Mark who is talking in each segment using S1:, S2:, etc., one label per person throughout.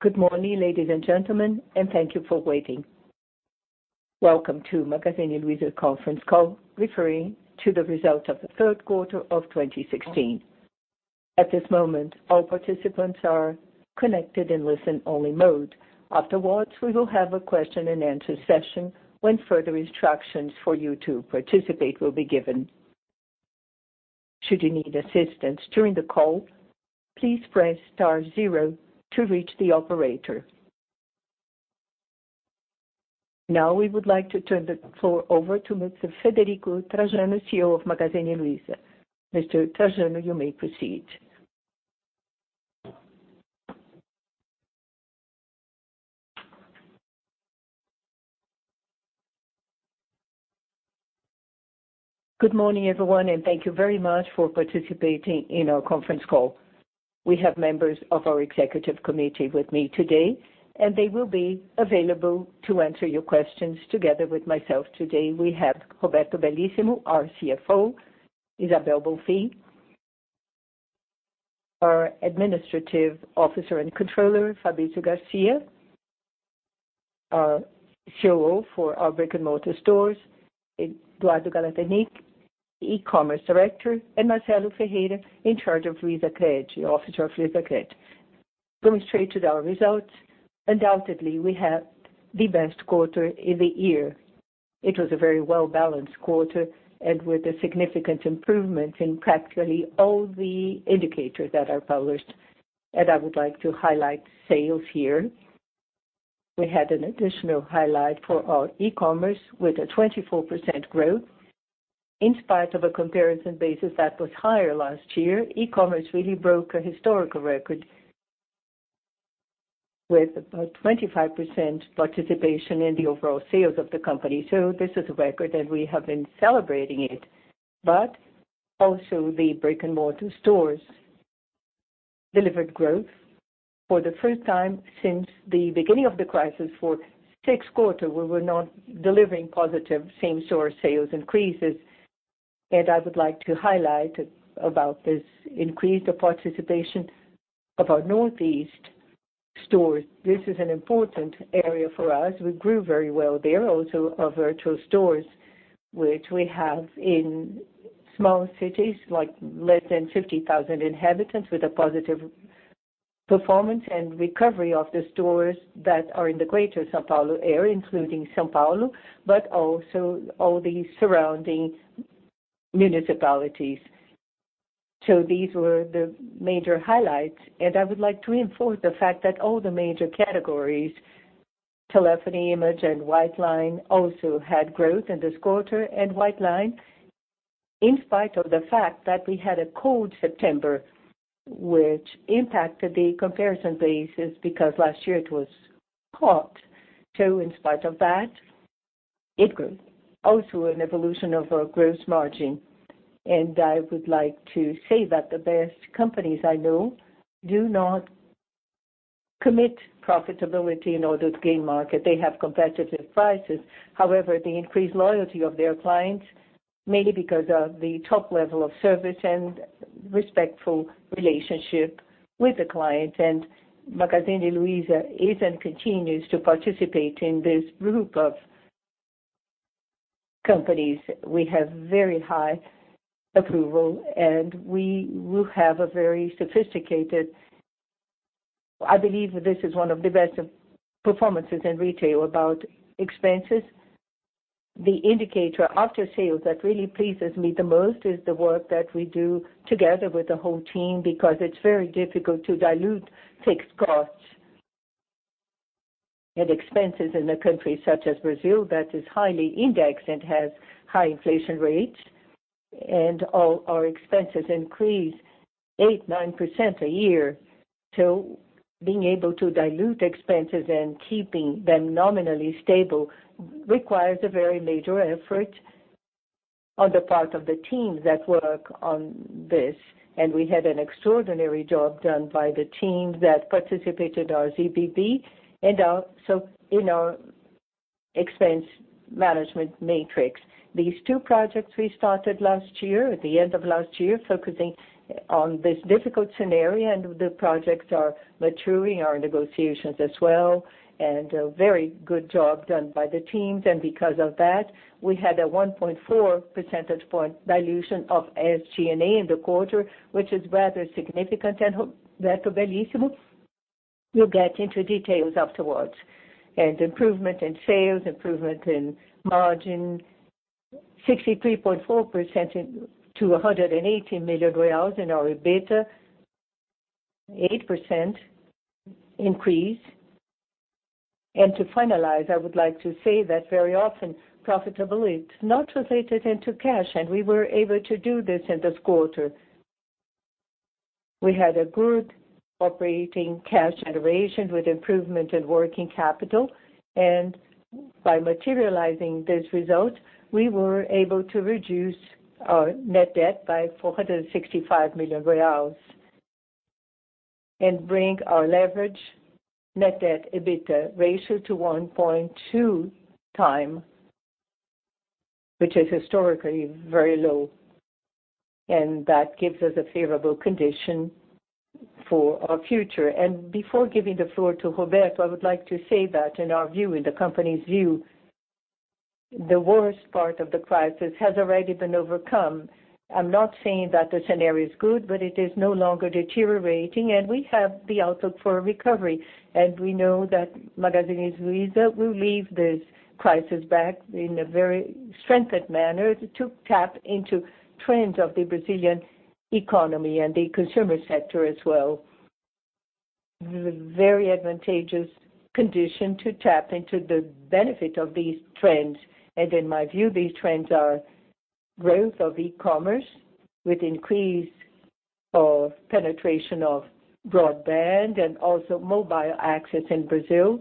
S1: Good morning, ladies and gentlemen, and thank you for waiting. Welcome to Magazine Luiza conference call, referring to the results of the third quarter of 2016. At this moment, all participants are connected in listen-only mode. Afterwards, we will have a question-and-answer session, when further instructions for you to participate will be given. Should you need assistance during the call, please press star zero to reach the operator. Now, we would like to turn the floor over to Mr. Frederico Trajano, CEO of Magazine Luiza. Mr. Trajano, you may proceed.
S2: Good morning, everyone, and thank you very much for participating in our conference call. We have members of our executive committee with me today, and they will be available to answer your questions together with myself. Today, we have Roberto Bellissimo Rodrigues, our CFO, Isabel Bonfim de Oliveira, our administrative officer and controller, Fabrício Garcia, our CEO for our brick-and-mortar stores, Eduardo Galanternick, e-commerce director, and Marcelo Ferreira, in charge of LuizaCred, the officer of LuizaCred. Going straight to our results, undoubtedly, we had the best quarter in the year. It was a very well-balanced quarter and with a significant improvement in practically all the indicators that are published. I would like to highlight sales here. We had an additional highlight for our e-commerce with a 24% growth. In spite of a comparison basis that was higher last year, e-commerce really broke a historical record with about 25% participation in the overall sales of the company. This is a record, and we have been celebrating it. Also the brick-and-mortar stores delivered growth for the first time since the beginning of the crisis. For six quarters, we were not delivering positive same-store sales increases. I would like to highlight about this increase the participation of our Northeast stores. This is an important area for us. We grew very well there, also our virtual stores, which we have in small cities, less than 50,000 inhabitants, with a positive performance and recovery of the stores that are in the greater São Paulo area, including São Paulo, but also all the surrounding municipalities. These were the major highlights, and I would like to reinforce the fact that all the major categories, telephony, image, and white line also had growth in this quarter. White line, in spite of the fact that we had a cold September, which impacted the comparison basis, because last year it was hot. In spite of that, it grew. Also an evolution of our gross margin. I would like to say that the best companies I know do not commit profitability in order to gain market. They have competitive prices. However, they increase loyalty of their clients, mainly because of the top level of service and respectful relationship with the client. Magazine Luiza is and continues to participate in this group of companies. We have very high approval, and we have a very sophisticated I believe this is one of the best performances in retail about expenses. The indicator after sales that really pleases me the most is the work that we do together with the whole team, because it's very difficult to dilute fixed costs and expenses in a country such as Brazil that is highly indexed and has high inflation rates. All our expenses increase 8%, 9% a year. Being able to dilute expenses and keeping them nominally stable requires a very major effort on the part of the teams that work on this. We had an extraordinary job done by the team that participated our ZBB. In our expense management matrix, these two projects we started last year, at the end of last year, focusing on this difficult scenario, and the projects are maturing, our negotiations as well, and a very good job done by the teams. Because of that, we had a 1.4 percentage point dilution of SG&A in the quarter, which is rather significant. Roberto Bellissimo will get into details afterwards. Improvement in sales, improvement in margin, 63.4% to BRL 180 million in our EBITDA, 8% increase. To finalize, I would like to say that very often profitability is not translated into cash, and we were able to do this in this quarter. We had a good operating cash generation with improvement in working capital. By materializing this result, we were able to reduce our net debt by 465 million and bring our leverage net debt/EBITDA ratio to 1.2 times, which is historically very low, and that gives us a favorable condition for our future. Before giving the floor to Roberto, I would like to say that in our view, in the company's view, the worst part of the crisis has already been overcome. I'm not saying that the scenario is good, but it is no longer deteriorating, and we have the outlook for a recovery. We know that Magazine Luiza will leave this crisis back in a very strengthened manner to tap into trends of the Brazilian economy and the consumer sector as well. Very advantageous condition to tap into the benefit of these trends. In my view, these trends are growth of e-commerce with increase of penetration of broadband and also mobile access in Brazil.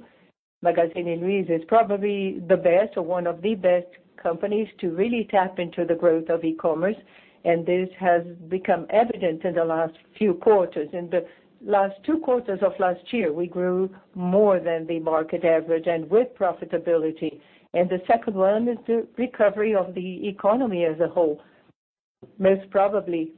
S2: Magazine Luiza is probably the best or one of the best companies to really tap into the growth of e-commerce, and this has become evident in the last few quarters. In the last two quarters of last year, we grew more than the market average and with profitability. The second one is the recovery of the economy as a whole. Most probably,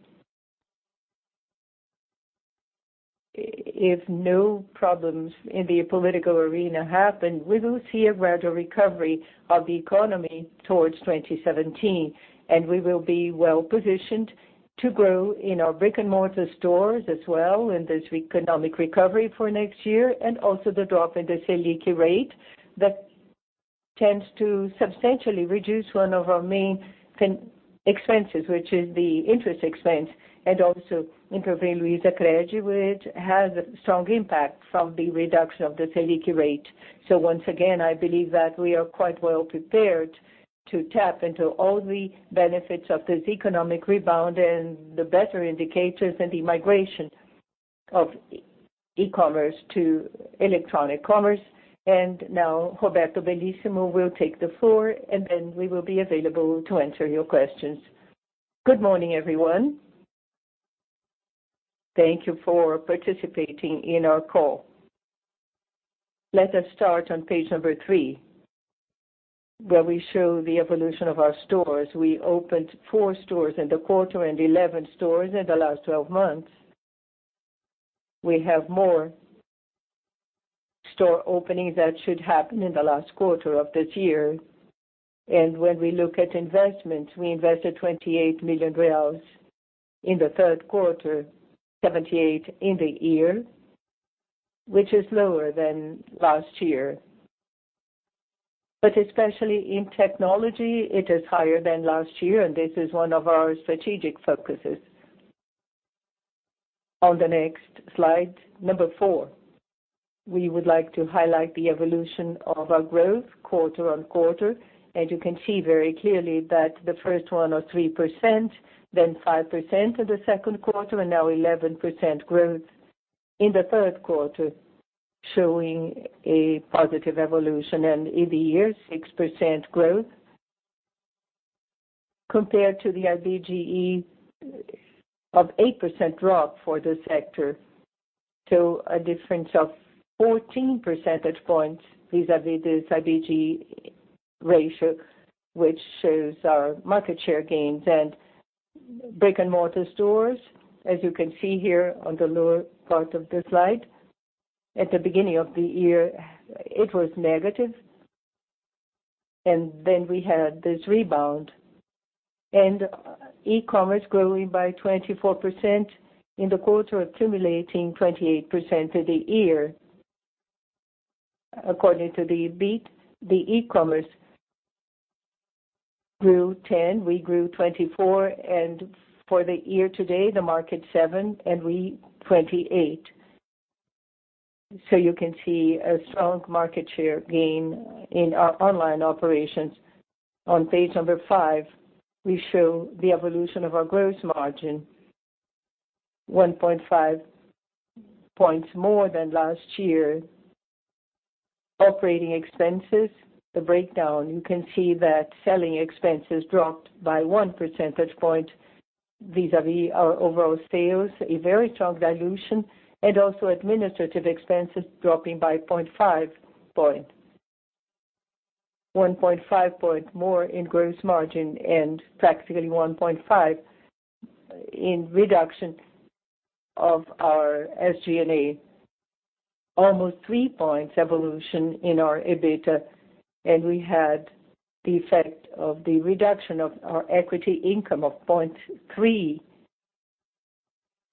S2: if no problems in the political arena happen, we will see a gradual recovery of the economy towards 2017. We will be well-positioned to grow in our brick-and-mortar stores as well in this economic recovery for next year, also the drop in the Selic rate that tends to substantially reduce one of our main expenses, which is the interest expense, and also [Interbank] Luizacred, which has a strong impact from the reduction of the Selic rate. Once again, I believe that we are quite well prepared to tap into all the benefits of this economic rebound and the better indicators and the migration of e-commerce to electronic commerce. Now Roberto Bellissimo will take the floor, and then we will be available to answer your questions.
S3: Good morning, everyone. Thank you for participating in our call. Let us start on page number three, where we show the evolution of our stores. We opened four stores in the quarter and 11 stores in the last 12 months. We have more store openings that should happen in the last quarter of this year. When we look at investments, we invested 28 million reais in the third quarter, 78 million in the year, which is lower than last year. Especially in technology, it is higher than last year, and this is one of our strategic focuses. On the next slide, number four, we would like to highlight the evolution of our growth quarter-on-quarter. You can see very clearly that the first one or 3%, then 5% in the second quarter, and now 11% growth in the third quarter, showing a positive evolution. In the year, 6% growth compared to the IBGE of 8% drop for the sector. A difference of 14 percentage points vis-a-vis this IBGE ratio, which shows our market share gains. Brick-and-mortar stores, as you can see here on the lower part of the slide, at the beginning of the year, it was negative. Then we had this rebound. E-commerce growing by 24% in the quarter, accumulating 28% for the year. According to E-bit, the e-commerce grew 10%, we grew 24%. For the year today, the market 7% and we 28%. You can see a strong market share gain in our online operations. On page number five, we show the evolution of our gross margin, 1.5 points more than last year. Operating expenses, the breakdown, you can see that selling expenses dropped by one percentage point vis-a-vis our overall sales, a very strong dilution, also administrative expenses dropping by 0.5 point. 1.5 point more in gross margin and practically 1.5 in reduction of our SG&A. Almost three points evolution in our EBITDA, we had the effect of the reduction of our equity income of 0.3,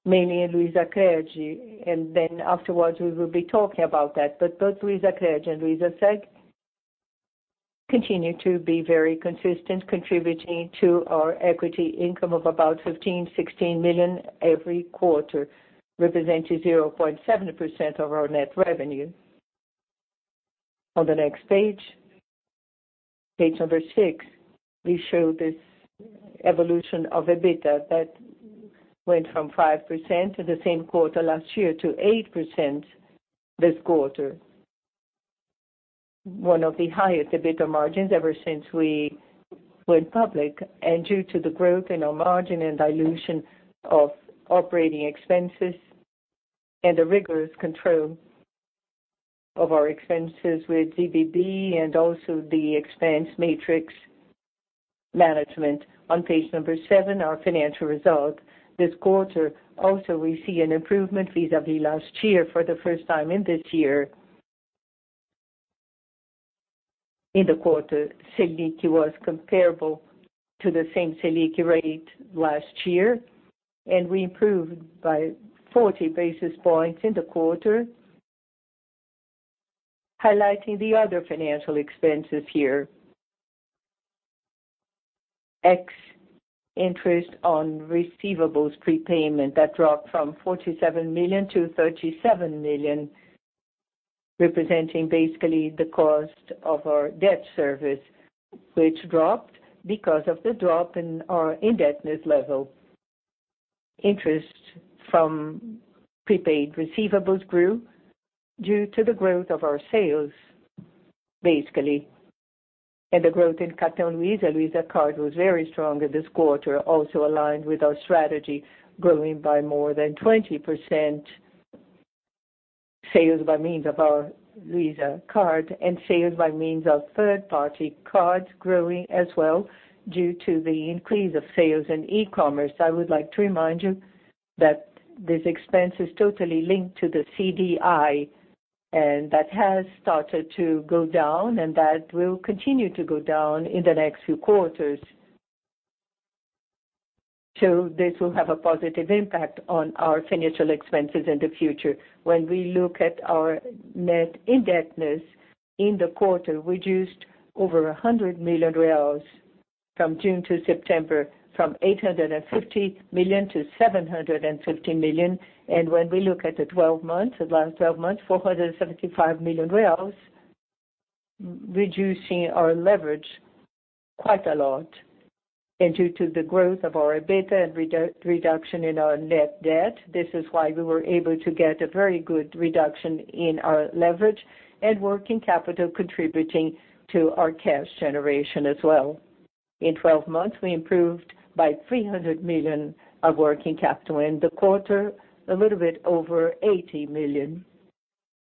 S3: mainly in LuizaCred. Afterwards, we will be talking about that. Both LuizaCred and Luizaseg continue to be very consistent, contributing to our equity income of about 15 million, 16 million every quarter, representing 0.7% of our net revenue. On the next page number six, we show this evolution of EBITDA that went from 5% in the same quarter last year to 8% this quarter. One of the highest EBITDA margins ever since we went public. Due to the growth in our margin and dilution of operating expenses and the rigorous control of our expenses with ZBB and also the expense matrix management. On page number seven, our financial result. This quarter, we also see an improvement vis-a-vis last year for the first time in this year. In the quarter, Selic was comparable to the same Selic rate last year, we improved by 40 basis points in the quarter. Highlighting the other financial expenses here. Ex-interest on receivables prepayment, that dropped from 47 million to 37 million, representing basically the cost of our debt service, which dropped because of the drop in our indebtedness level. Interest from prepaid receivables grew due to the growth of our sales, basically. The growth in Cartão Luiza Card, was very strong in this quarter, also aligned with our strategy, growing by more than 20%. Sales by means of our Luiza Card and sales by means of third-party cards growing as well due to the increase of sales in e-commerce. I would like to remind you that this expense is totally linked to the CDI, and that has started to go down, and that will continue to go down in the next few quarters. This will have a positive impact on our financial expenses in the future. When we look at our net indebtedness in the quarter, reduced over 100 million reais from June to September, from 850 million to 750 million. When we look at the 12 months, the last 12 months, 475 million reais, reducing our leverage quite a lot. Due to the growth of our EBITDA and reduction in our net debt, this is why we were able to get a very good reduction in our leverage and working capital contributing to our cash generation as well. In 12 months, we improved by 300 million of working capital. In the quarter, a little bit over 80 million.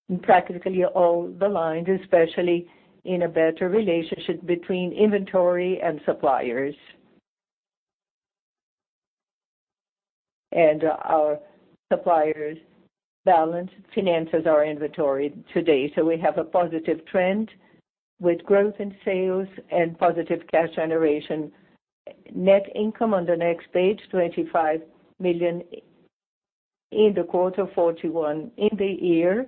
S3: In practically all the lines, especially in a better relationship between inventory and suppliers. Our suppliers balance finances our inventory today. We have a positive trend with growth in sales and positive cash generation. Net income on the next page, 25 million in the quarter, 41 in the year,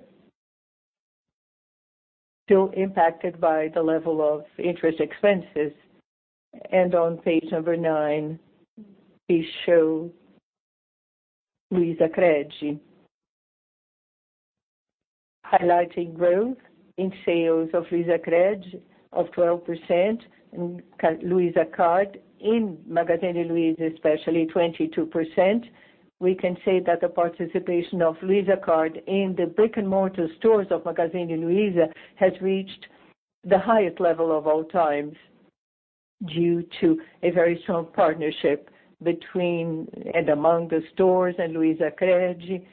S3: still impacted by the level of interest expenses. On page number 9, we show LuizaCred, highlighting growth in sales of LuizaCred of 12% in Luiza Card in Magazine Luiza, especially 22%. We can say that the participation of Luiza Card in the brick-and-mortar stores of Magazine Luiza has reached the highest level of all times due to a very strong partnership between and among the stores and LuizaCred.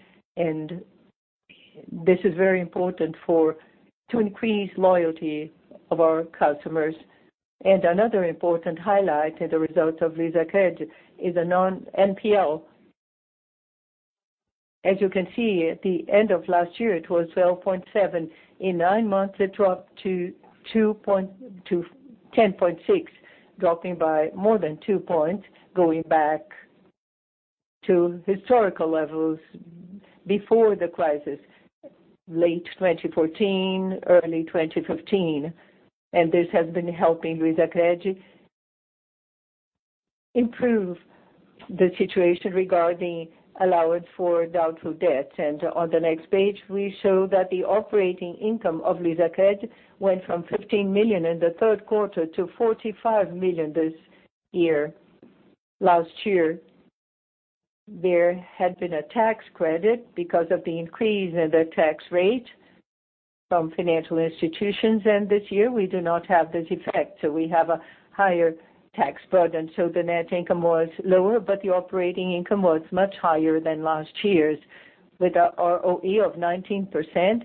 S3: This is very important to increase loyalty of our customers. Another important highlight in the results of LuizaCred is a non-NPL. As you can see, at the end of last year, it was 12.7%. In nine months, it dropped to 10.6%, dropping by more than two points, going back to historical levels before the crisis, late 2014, early 2015. This has been helping LuizaCred improve the situation regarding allowance for doubtful debt. On the next page, we show that the operating income of LuizaCred went from 15 million in the third quarter to 45 million this year. Last year, there had been a tax credit because of the increase in the tax rate from financial institutions. This year, we do not have this effect, we have a higher tax burden. The net income was lower, the operating income was much higher than last year's, with our ROE of 19%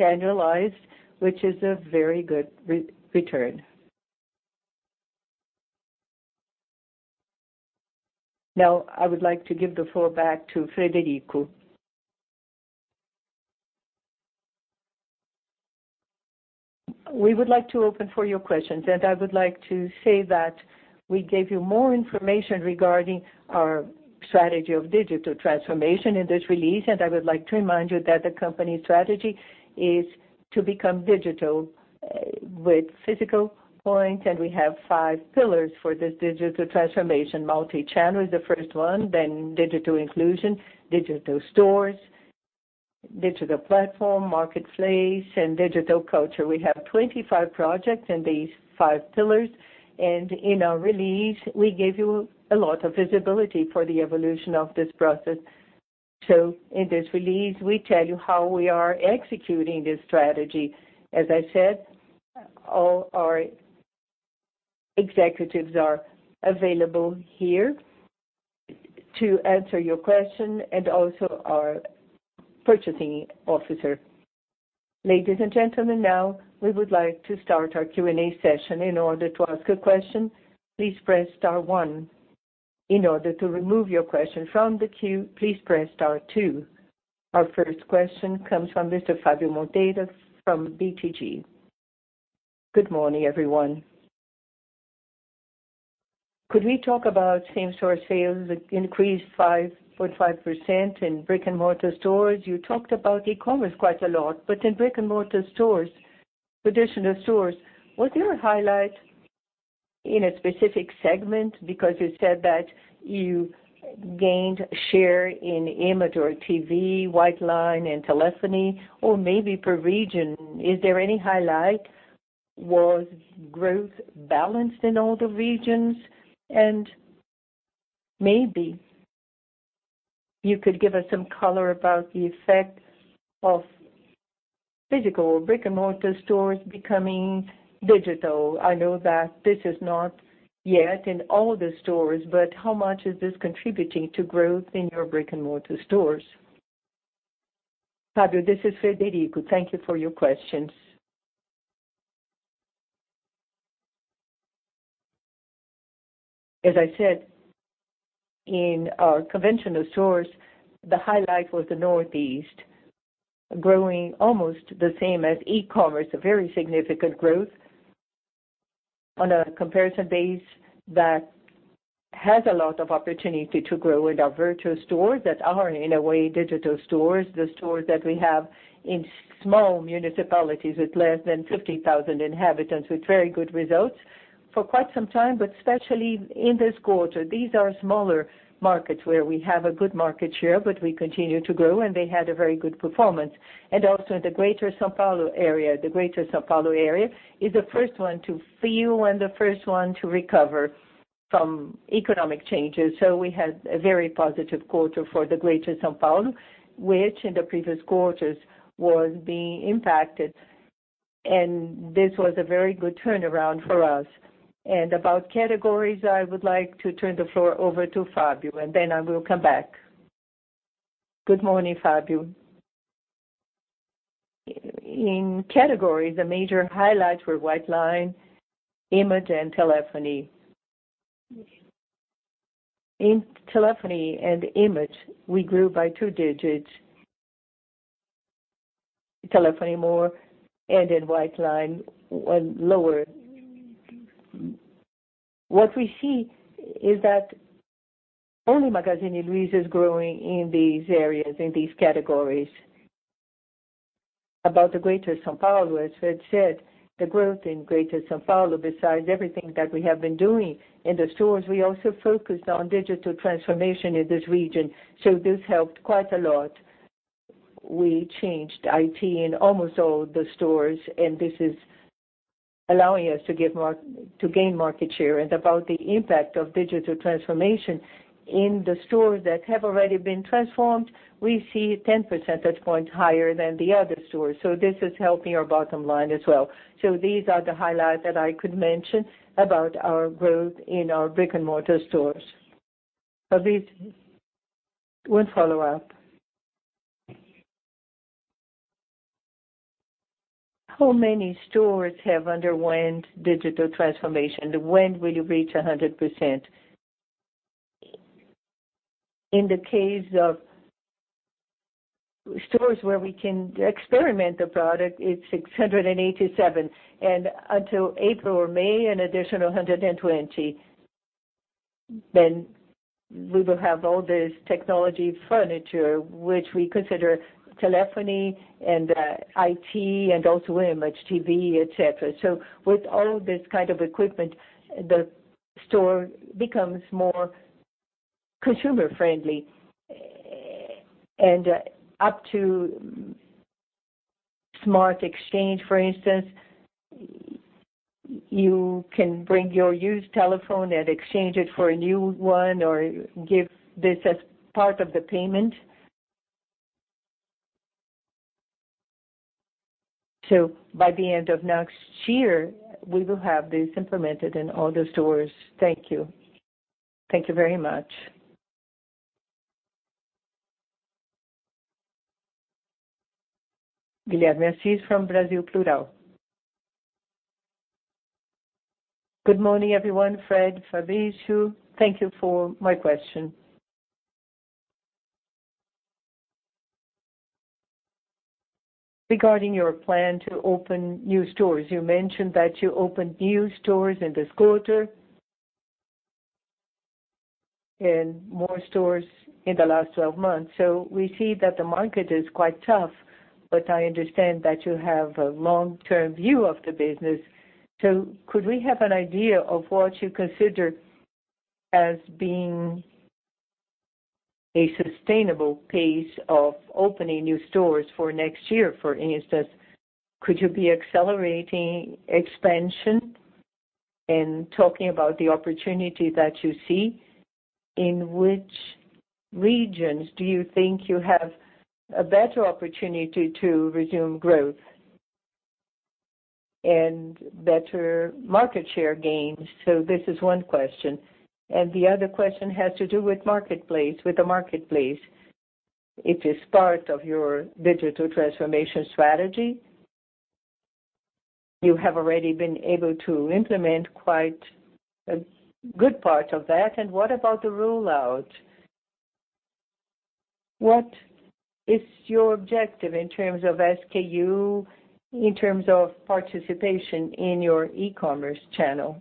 S3: annualized, which is a very good return. Now I would like to give the floor back to Frederico.
S2: We would like to open for your questions. I would like to say that we gave you more information regarding our strategy of digital transformation in this release. I would like to remind you that the company strategy is to become digital with physical points. We have five pillars for this digital transformation. Multi-channel is the first one, digital inclusion, digital stores, digital platform, marketplace, and digital culture. We have 25 projects in these five pillars, and in our release, we gave you a lot of visibility for the evolution of this process. In this release, we tell you how we are executing this strategy. As I said, all our Executives are available here to answer your question and also our purchasing officer.
S1: Ladies and gentlemen, now we would like to start our Q&A session. In order to ask a question, please press star one. In order to remove your question from the queue, please press star two. Our first question comes from Mr. Fabio Monteiro from BTG.
S4: Good morning, everyone. Could we talk about same-store sales increased 5.5% in brick-and-mortar stores? You talked about e-commerce quite a lot, but in brick-and-mortar stores, traditional stores, was there a highlight in a specific segment? You said that you gained share in image or TV, white line and telephony, or maybe per region. Is there any highlight? Was growth balanced in all the regions? Maybe you could give us some color about the effect of physical brick-and-mortar stores becoming digital. I know that this is not yet in all the stores, but how much is this contributing to growth in your brick-and-mortar stores?
S2: Fabio, this is Frederico. Thank you for your questions. As I said, in our conventional stores, the highlight was the Northeast, growing almost the same as e-commerce, a very significant growth on a comparison base that has a lot of opportunity to grow in our virtual stores that are, in a way, digital stores, the stores that we have in small municipalities with less than 50,000 inhabitants, with very good results for quite some time, but especially in this quarter. These are smaller markets where we have a good market share, but we continue to grow. They had a very good performance. Also in the Greater São Paulo area. The Greater São Paulo area is the first one to feel and the first one to recover from economic changes. We had a very positive quarter for the Greater São Paulo, which in the previous quarters was being impacted, and this was a very good turnaround for us. About categories, I would like to turn the floor over to Fabio, and then I will come back.
S5: Good morning, Fabio. In categories, the major highlights were white line, image, and telephony. In telephony and image, we grew by two digits. Telephony more, and in white line, lower. What we see is that only Magazine Luiza is growing in these areas, in these categories. About the Greater São Paulo, as Fred said, the growth in Greater São Paulo, besides everything that we have been doing in the stores, we also focused on digital transformation in this region. This helped quite a lot. We changed IT in almost all the stores, and this is allowing us to gain market share. About the impact of digital transformation in the stores that have already been transformed, we see 10 percentage points higher than the other stores. This is helping our bottom line as well. These are the highlights that I could mention about our growth in our brick-and-mortar stores.
S4: Fabrício, one follow-up. How many stores have underwent digital transformation? When will you reach 100%?
S5: In the case of stores where we can experiment the product, it is 687, and until April or May, an additional 120. We will have all this technology furniture, which we consider telephony and IT, and also image TV, et cetera. With all this kind of equipment, the store becomes more consumer-friendly. Up to smart exchange, for instance, you can bring your used telephone and exchange it for a new one or give this as part of the payment. By the end of next year, we will have this implemented in all the stores.
S4: Thank you.
S5: Thank you very much.
S1: Guilherme Assis from Brasil Plural.
S6: Good morning, everyone. Fred, Fabio, thank you for my question. Regarding your plan to open new stores, you mentioned that you opened new stores in this quarter and more stores in the last 12 months. We see that the market is quite tough, but I understand that you have a long-term view of the business. Could we have an idea of what you consider as being a sustainable pace of opening new stores for next year? For instance, could you be accelerating expansion and talking about the opportunity that you see? In which regions do you think you have a better opportunity to resume growth and better market share gains? This is one question. The other question has to do with the marketplace. It is part of your digital transformation strategy. You have already been able to implement quite a good part of that. What about the rollout? What is your objective in terms of SKU, in terms of participation in your e-commerce channel?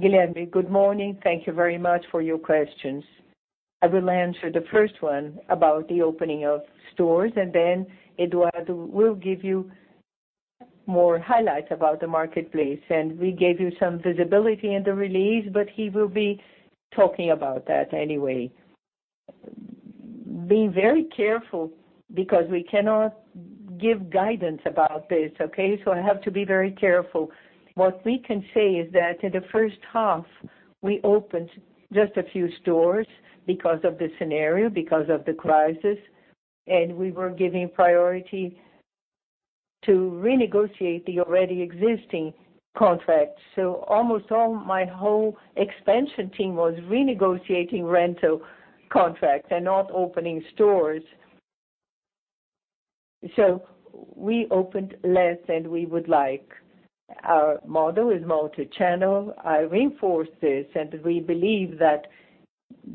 S2: Guilherme, good morning. Thank you very much for your questions. I will answer the first one about the opening of stores, and then Eduardo will give you more highlights about the marketplace. We gave you some visibility in the release, but he will be talking about that anyway. Being very careful because we cannot give guidance about this. Okay? I have to be very careful. What we can say is that in the first half, we opened just a few stores because of the scenario, because of the crisis, and we were giving priority to renegotiate the already existing contracts. Almost all my whole expansion team was renegotiating rental contracts and not opening stores. We opened less than we would like. Our model is multi-channel. I reinforce this, and we believe that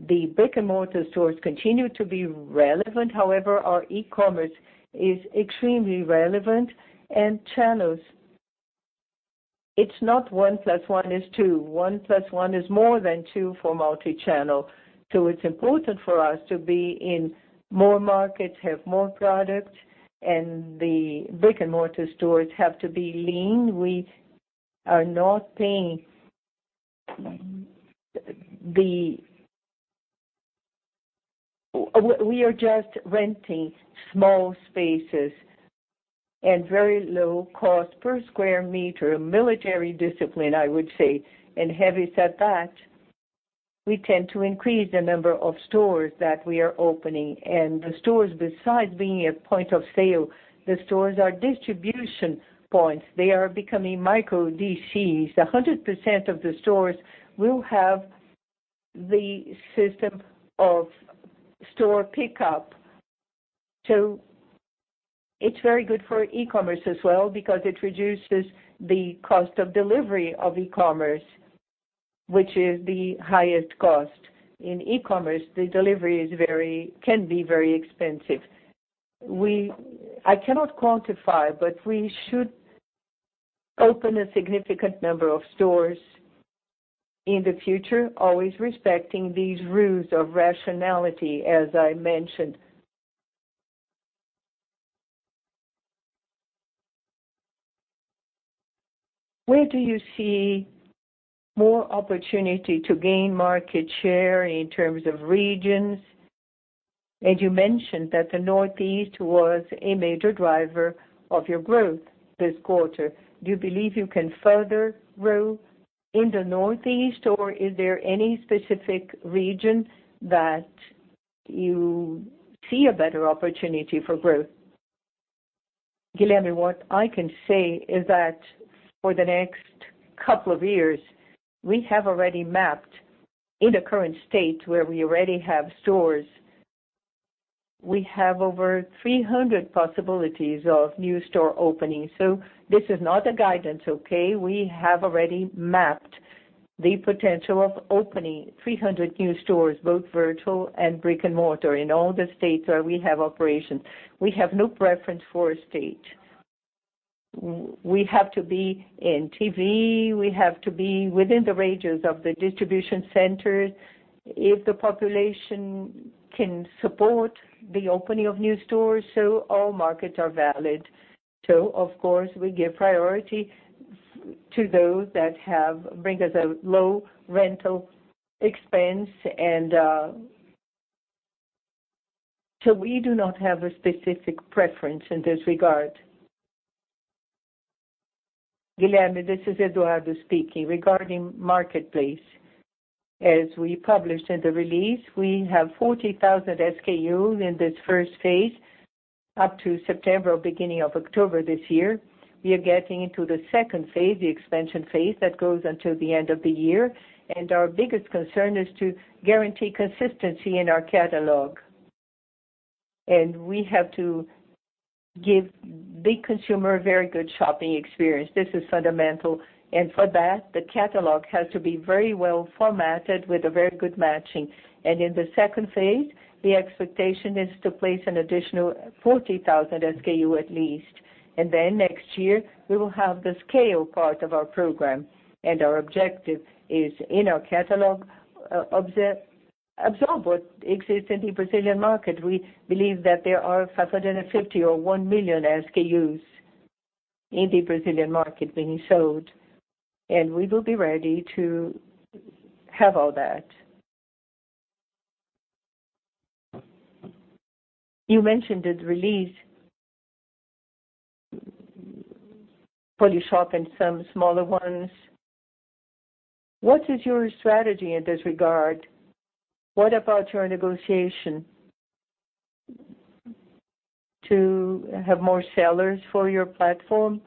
S2: the brick-and-mortar stores continue to be relevant. However, our e-commerce is extremely relevant, and channels, it's not one plus one is two. One plus one is more than two for multi-channel. It's important for us to be in more markets, have more products, and the brick-and-mortar stores have to be lean. We are just renting small spaces at very low cost per square meter. Military discipline, I would say. Having said that, we tend to increase the number of stores that we are opening. The stores, besides being a point of sale, the stores are distribution points. They are becoming micro DCs. 100% of the stores will have the system of store pickup. It's very good for e-commerce as well because it reduces the cost of delivery of e-commerce, which is the highest cost. In e-commerce, the delivery can be very expensive. I cannot quantify, but we should open a significant number of stores in the future, always respecting these rules of rationality, as I mentioned.
S6: Where do you see more opportunity to gain market share in terms of regions? You mentioned that the Northeast was a major driver of your growth this quarter. Do you believe you can further grow in the Northeast, or is there any specific region that you see a better opportunity for growth?
S2: Guilherme, what I can say is that for the next couple of years, we have already mapped in the current state where we already have stores. We have over 300 possibilities of new store openings. This is not a guidance, okay? We have already mapped the potential of opening 300 new stores, both virtual and brick-and-mortar, in all the states where we have operations. We have no preference for a state. We have to be in TV. We have to be within the ranges of the distribution centers. If the population can support the opening of new stores, all markets are valid. Of course, we give priority to those that bring us a low rental expense. We do not have a specific preference in this regard.
S7: Guilherme, this is Eduardo speaking. Regarding marketplace, as we published in the release, we have 40,000 SKUs in this first phase up to September or beginning of October this year. We are getting into the second phase, the expansion phase, that goes until the end of the year. Our biggest concern is to guarantee consistency in our catalog. We have to give the consumer a very good shopping experience. This is fundamental. For that, the catalog has to be very well formatted with a very good matching. In the second phase, the expectation is to place an additional 40,000 SKU at least. Next year, we will have the scale part of our program, and our objective is in our catalog, absorb what exists in the Brazilian market. We believe that there are 550 or 1 million SKUs in the Brazilian market being sold, we will be ready to have all that.
S6: You mentioned the release, Polishop and some smaller ones. What is your strategy in this regard? What about your negotiation to have more sellers for your platform?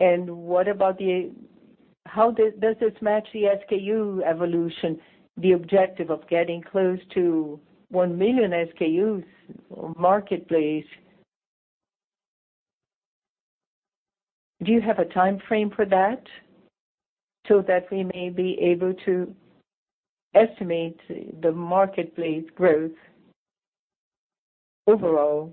S6: How does this match the SKU evolution, the objective of getting close to 1 million SKUs marketplace? Do you have a timeframe for that so that we may be able to estimate the marketplace growth overall?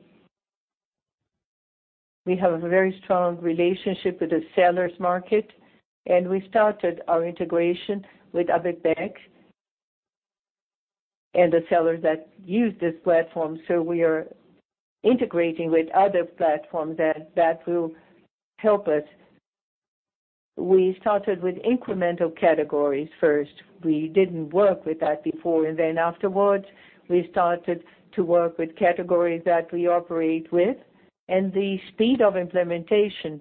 S7: We have a very strong relationship with the sellers market, we started our integration with [Abekbec and the sellers that use this platform, we are integrating with other platforms that will help us. We started with incremental categories first. We didn't work with that before. Afterwards, we started to work with categories that we operate with and the speed of implementation.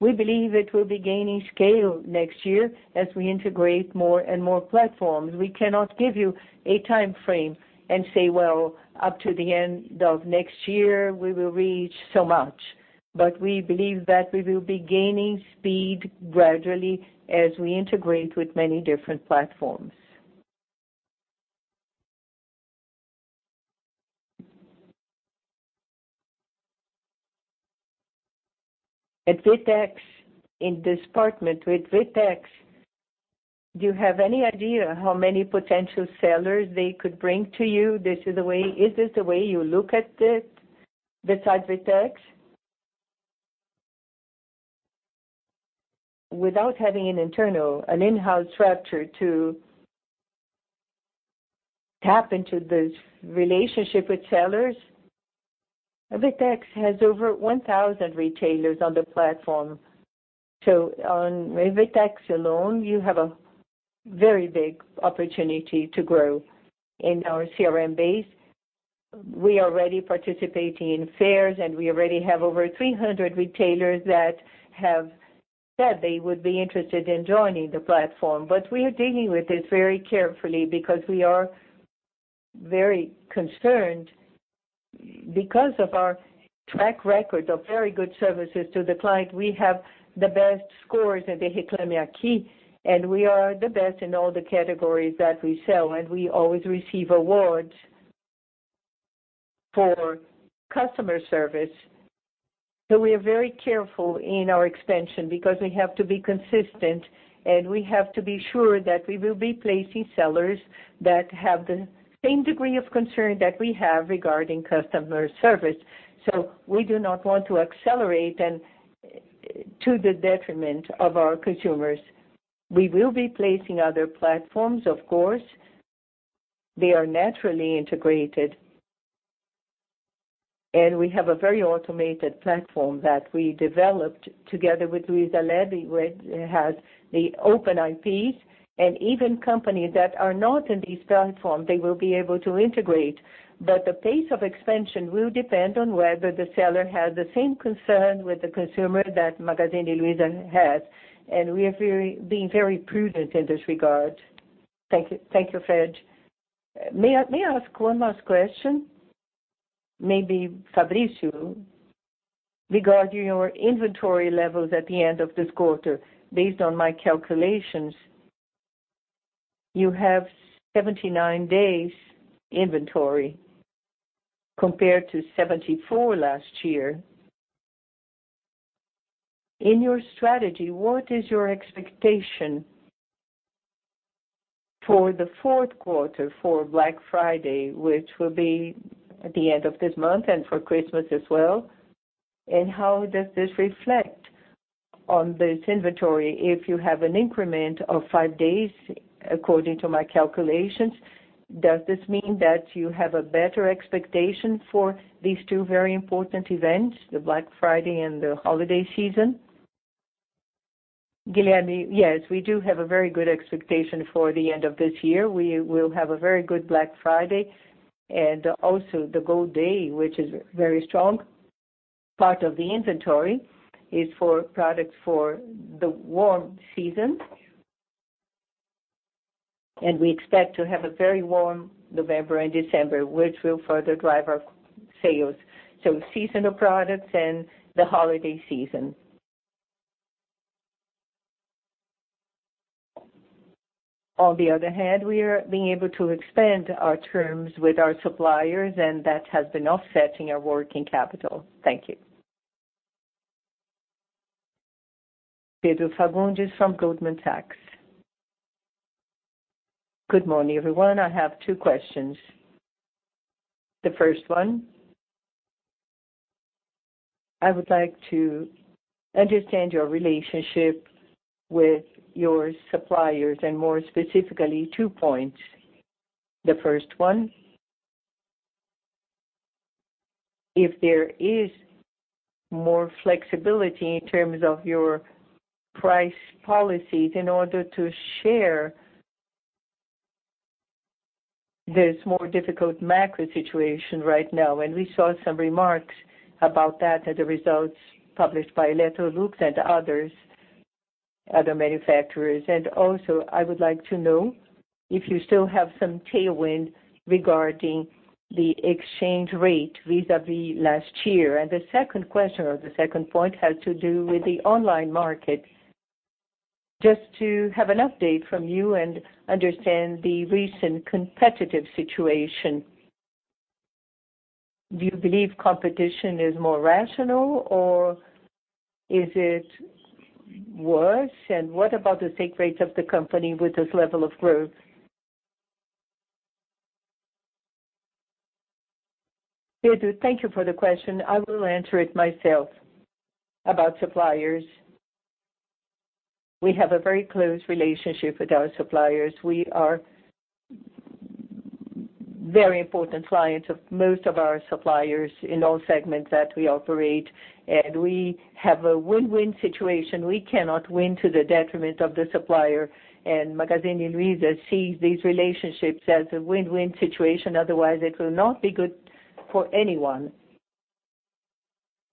S7: We believe it will be gaining scale next year as we integrate more and more platforms. We cannot give you a timeframe and say, well, up to the end of next year, we will reach so much. We believe that we will be gaining speed gradually as we integrate with many different platforms.
S6: At VTEX, in this partnership with VTEX, do you have any idea how many potential sellers they could bring to you? Is this the way you look at it besides VTEX?
S2: Without having an internal, an in-house structure to tap into this relationship with sellers, VTEX has over 1,000 retailers on the platform. On VTEX alone, you have a very big opportunity to grow in our CRM base. We already participating in fairs, and we already have over 300 retailers that have said they would be interested in joining the platform. We are dealing with this very carefully because we are very concerned. Because of our track record of very good services to the client, we have the best scores at the Reclame AQUI, and we are the best in all the categories that we sell, and we always receive awards for customer service. We are very careful in our expansion because we have to be consistent, and we have to be sure that we will be placing sellers that have the same degree of concern that we have regarding customer service. We do not want to accelerate to the detriment of our consumers. We will be placing other platforms, of course. They are naturally integrated. We have a very automated platform that we developed together with Luizalabs, which has the open IPs, and even companies that are not in this platform, they will be able to integrate. The pace of expansion will depend on whether the seller has the same concern with the consumer that Magazine Luiza has. We are being very prudent in this regard.
S6: Thank you, Fred. May I ask one last question? Maybe Fabrício, regarding your inventory levels at the end of this quarter. Based on my calculations, you have 79 days inventory compared to 74 last year. In your strategy, what is your expectation for the fourth quarter for Black Friday, which will be at the end of this month, and for Christmas as well? How does this reflect on this inventory? If you have an increment of five days, according to my calculations, does this mean that you have a better expectation for these two very important events, the Black Friday and the holiday season?
S5: Guilherme, yes, we do have a very good expectation for the end of this year. We will have a very good Black Friday and also the Dia de Ouro, which is very strong. Part of the inventory is for products for the warm season. We expect to have a very warm November and December, which will further drive our sales. Seasonal products and the holiday season. On the other hand, we are being able to expand our terms with our suppliers, and that has been offsetting our working capital. Thank you.
S1: Pedro Fagundes from Goldman Sachs.
S8: Good morning, everyone. I have two questions. The first one, I would like to understand your relationship with your suppliers, and more specifically, two points. The first one. If there is more flexibility in terms of your price policies in order to share this more difficult macro situation right now. We saw some remarks about that at the results published by Electrolux and other manufacturers. Also, I would like to know if you still have some tailwind regarding the exchange rate vis-a-vis last year. The second question, or the second point, has to do with the online market. Just to have an update from you and understand the recent competitive situation. Do you believe competition is more rational, or is it worse? What about the take rate of the company with this level of growth?
S2: Pedro, thank you for the question. I will answer it myself about suppliers. We have a very close relationship with our suppliers. We are very important clients of most of our suppliers in all segments that we operate, and we have a win-win situation. We cannot win to the detriment of the supplier, and Magazine Luiza sees these relationships as a win-win situation, otherwise it will not be good for anyone.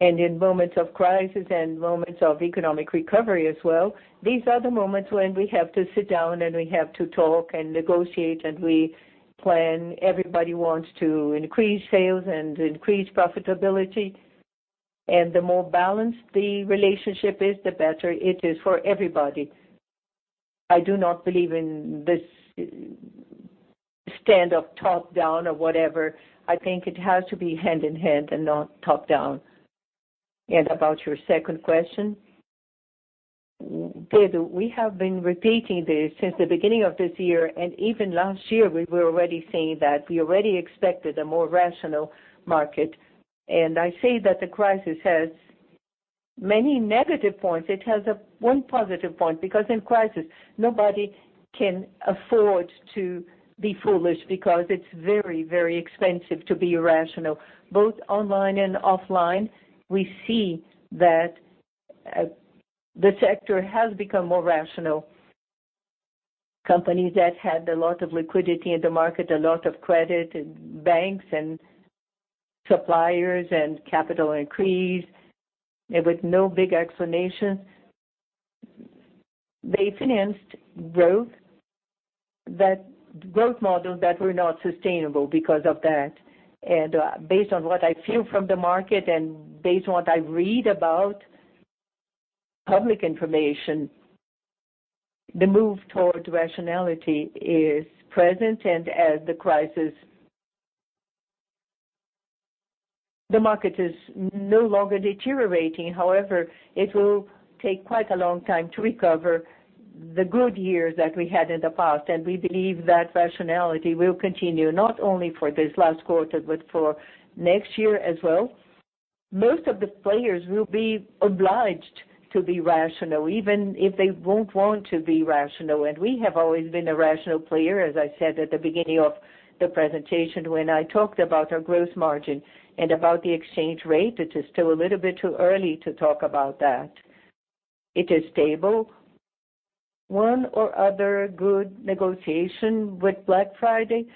S2: In moments of crisis and moments of economic recovery as well, these are the moments when we have to sit down, and we have to talk and negotiate, and we plan. Everybody wants to increase sales and increase profitability. The more balanced the relationship is, the better it is for everybody. I do not believe in this stand up top-down or whatever. I think it has to be hand in hand and not top-down. About your second question, Pedro, we have been repeating this since the beginning of this year, and even last year, we were already saying that we already expected a more rational market. I say that the crisis has many negative points. It has one positive point, because in crisis, nobody can afford to be foolish because it's very, very expensive to be irrational. Both online and offline, we see that the sector has become more rational. Companies that had a lot of liquidity in the market, a lot of credit, and banks and suppliers and capital increase, and with no big explanation, they financed growth, that growth models that were not sustainable because of that. Based on what I feel from the market and based on what I read about public information, the move towards rationality is present. As the crisis-- The market is no longer deteriorating. However, it will take quite a long time to recover the good years that we had in the past. We believe that rationality will continue, not only for this last quarter, but for next year as well. Most of the players will be obliged to be rational, even if they won't want to be rational. We have always been a rational player, as I said at the beginning of the presentation when I talked about our gross margin. About the exchange rate, it is still a little bit too early to talk about that. It is stable. One or other good negotiation with Black Friday,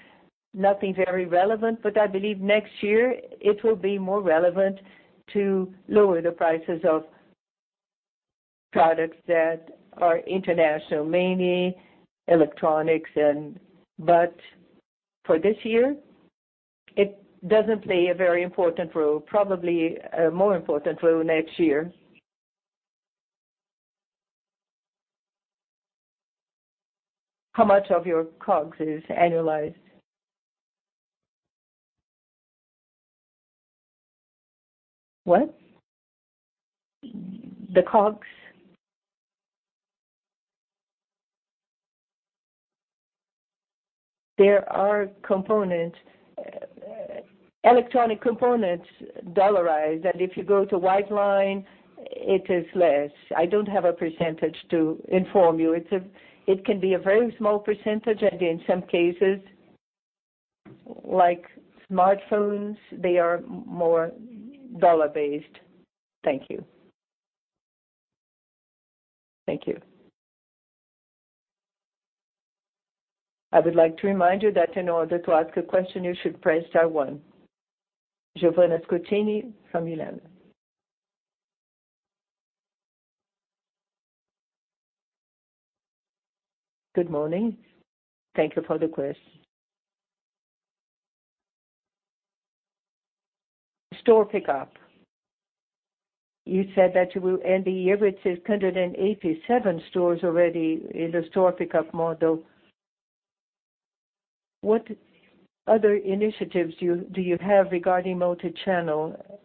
S2: nothing very relevant, but I believe next year it will be more relevant to lower the prices of products that are international, mainly electronics. For this year, it doesn't play a very important role. Probably a more important role next year.
S8: How much of your COGS is annualized?
S2: What? The COGS. There are components, electronic components, dollarized. If you go to white line, it is less. I don't have a % to inform you. It can be a very small %, and in some cases, like smartphones, they are more dollar-based.
S8: Thank you.
S2: Thank you.
S1: I would like to remind you that in order to ask a question, you should press star one. Giovanna Scutini from [Milan].
S9: Good morning. Thank you for the Store pickup. You said that you will end the year with 687 stores already in the store pickup model. What other initiatives do you have regarding multi-channel?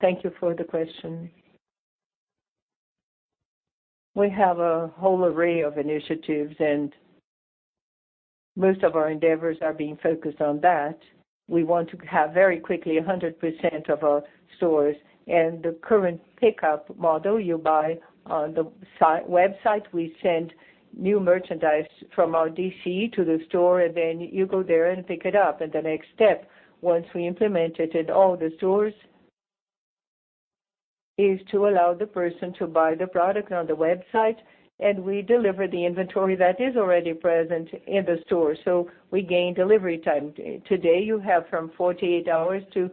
S2: Thank you for the question. We have a whole array of initiatives, most of our endeavors are being focused on that. We want to have very quickly 100% of our stores. The current pickup model, you buy on the website. We send new merchandise from our DC to the store, then you go there and pick it up. The next step, once we implement it in all the stores, is to allow the person to buy the product on the website, we deliver the inventory that is already present in the store. We gain delivery time. Today, you have from 48 hours to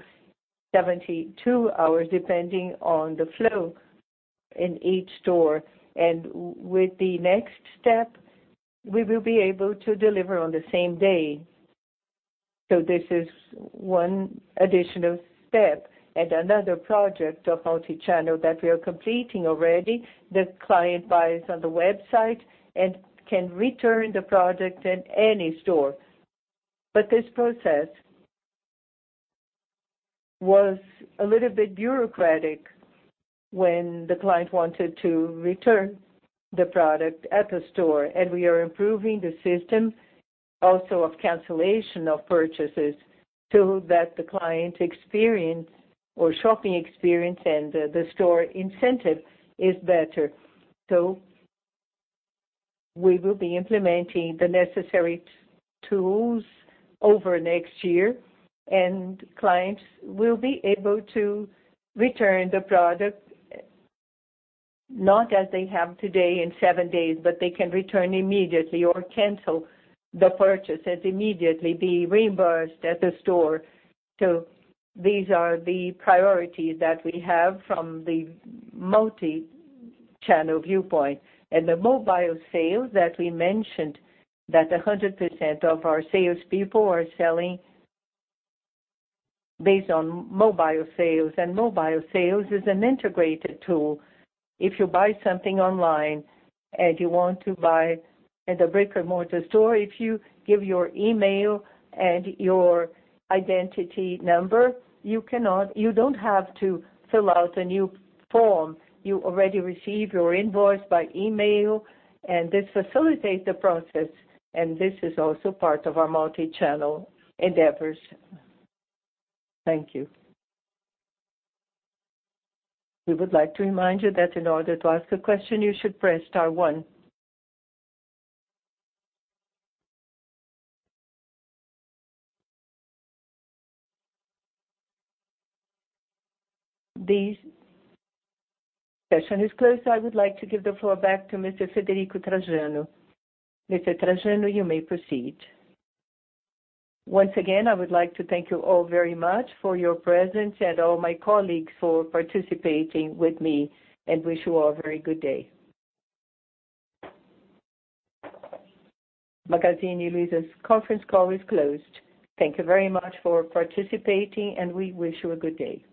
S2: 72 hours, depending on the flow in each store. With the next step, we will be able to deliver on the same day. This is one additional step. Another project of multi-channel that we are completing already, the client buys on the website and can return the product at any store. This process was a little bit bureaucratic when the client wanted to return the product at the store. We are improving the system also of cancellation of purchases, so that the client experience or shopping experience and the store incentive is better. We will be implementing the necessary tools over next year, clients will be able to return the product, not as they have today in seven days, but they can return immediately or cancel the purchase and immediately be reimbursed at the store. These are the priorities that we have from the multi-channel viewpoint. The mobile sales that we mentioned, that 100% of our salespeople are selling based on mobile sales. Mobile sales is an integrated tool. If you buy something online, and you want to buy at a brick-and-mortar store, if you give your email and your identity number, you don't have to fill out a new form. You already receive your invoice by email, this facilitates the process, this is also part of our multi-channel endeavors. Thank you.
S1: We would like to remind you that in order to ask a question, you should press star one. The session is closed. I would like to give the floor back to Mr. Frederico Trajano. Mr. Trajano, you may proceed.
S2: Once again, I would like to thank you all very much for your presence and all my colleagues for participating with me and wish you all a very good day. Magazine Luiza's conference call is closed. Thank you very much for participating, and we wish you a good day.